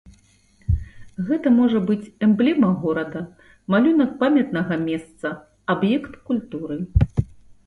Гэта можа быць эмблема горада, малюнак памятнага месца, аб'ект культуры.